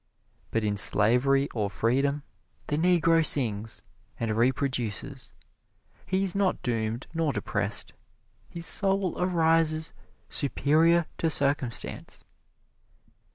But in slavery or freedom the Negro sings, and reproduces he is not doomed nor depressed his soul arises superior to circumstance.